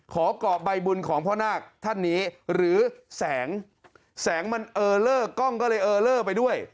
กรอกใบบุญของพ่อนาคท่านนี้หรือแสงแสงมันเออเลอร์กล้องก็เลยเออเลอร์ไปด้วย